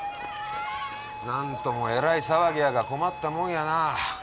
何ともえらい騒ぎやが困ったもんやな。